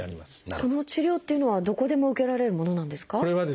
その治療っていうのはどこでも受けられるものなんですか？